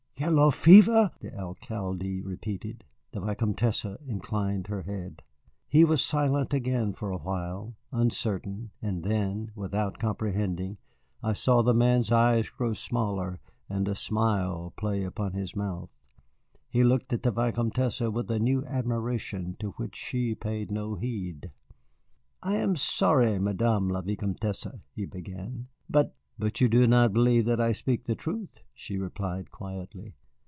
"Yellow fever!" the Alcalde repeated The Vicomtesse inclined her head. He was silent again for a while, uncertain, and then, without comprehending, I saw the man's eyes grow smaller and a smile play about his mouth. He looked at the Vicomtesse with a new admiration to which she paid no heed. "I am sorry, Madame la Vicomtesse," he began, "but " "But you do not believe that I speak the truth," she replied quietly.